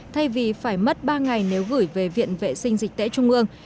thay vì phải mất ba ngày nếu gửi về viện vệ sinh dịch tễ trung ương